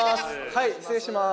はい失礼します。